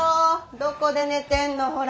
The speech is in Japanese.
どこで寝てんのほら。